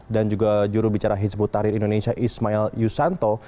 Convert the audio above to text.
dan juga juru bicara hizbut tahrir indonesia ismail yusanto